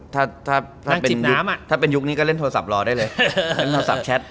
ถ้าจิบน้ำถ้าเป็นยุคนี้ก็เล่นโทรศัพท์รอได้เลยเล่นโทรศัพท์แชท